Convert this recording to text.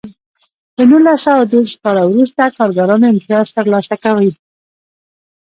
له نولس سوه دېرش کال وروسته کارګرانو امتیاز ترلاسه کوی.